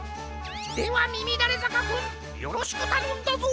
ではみみだれざかくんよろしくたのんだぞ！